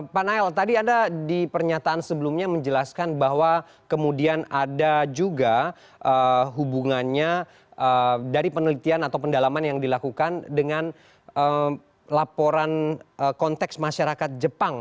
pak nael tadi anda di pernyataan sebelumnya menjelaskan bahwa kemudian ada juga hubungannya dari penelitian atau pendalaman yang dilakukan dengan laporan konteks masyarakat jepang